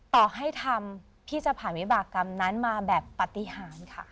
ต่อให้ทำพี่จะผ่านวิบากรรมนั้นมาแบบปฏิหารค่ะ